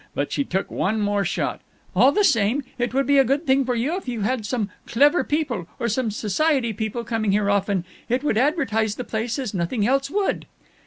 But she took one more shot: "All the same, it would be a good thing for you if you had some clever people or some society people coming here often. It would advertise the place as nothing else would."